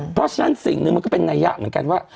เพราะฉะนั้นสิ่งหนึ่งมันก็เป็นนัยะเหมือนกันว่า